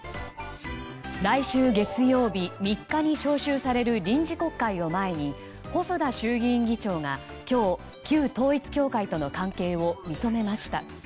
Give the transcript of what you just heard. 来週月曜日、３日に召集される臨時国会を前に細田衆議院議長が今日旧統一教会との関係を認めました。